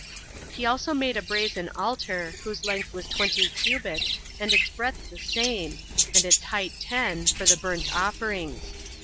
7. He also made a brazen altar, whose length was twenty cubits, and its breadth the same, and its height ten, for the burnt offerings.